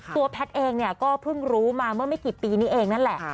แพทย์เองเนี่ยก็เพิ่งรู้มาเมื่อไม่กี่ปีนี้เองนั่นแหละ